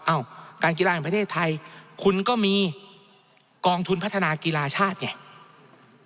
การกีฬาแห่งประเทศไทยคุณก็มีกองทุนพัฒนากีฬาชาติไง